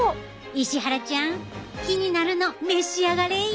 石原ちゃん気になるの召し上がれ。